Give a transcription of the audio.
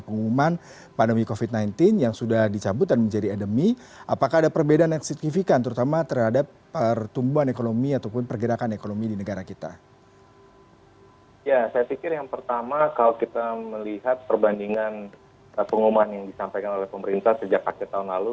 pengumuman yang disampaikan oleh pemerintah sejak empat tahun lalu